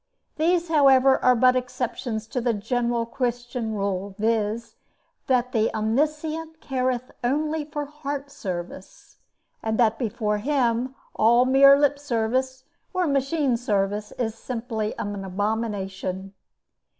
These, however, are but exceptions to the general Christian rule, viz.: that the Omniscient careth only for heart service; and that, before Him, all mere lip service or machine service, is simply an abomination.